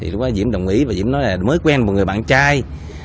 và diễm đồng ý và diễm nói là mới quen một người bạn trai